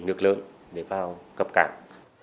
để có thời điểm lớn để vào cặp cảng